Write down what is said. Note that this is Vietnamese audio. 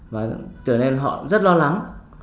và tưởng nên họ rất lo lắng